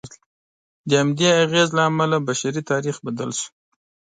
د همدې اغېز له امله بشري تاریخ بدل شو.